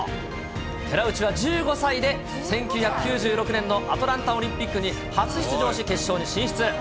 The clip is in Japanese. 寺内は１５歳で１９９６年のアトランタオリンピックに初出場し、決勝に進出。